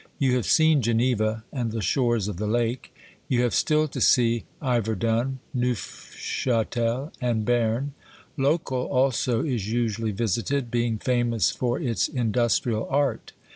You have seen Geneva and the shores of the lake; you have still to see Iverdun, Neufchatel and Berne; Locle also is usually visited, being famous for its industrial art.